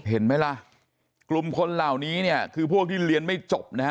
เห็นไหมล่ะกลุ่มคนเหล่านี้เนี่ยคือพวกที่เรียนไม่จบนะฮะ